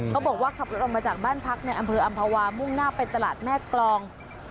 เขาบอกว่าขับรถออกมาจากบ้านพักในอำเภออำภาวามุ่งหน้าไปตลาดแม่กรอง